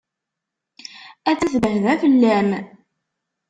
Attan tebbehba fell-am.